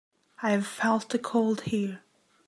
I have felt the cold here.